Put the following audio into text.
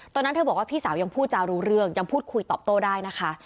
ตอนนั้นเธอบอกว่าพี่สาวยังพูดจารู้เรื่องยังพูดคุยตอบโต้ได้นะคะ